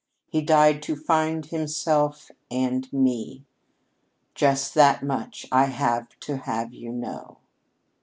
He died to find himself and me. Just that much I have to have you know."